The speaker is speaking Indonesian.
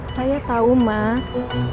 saya tau mas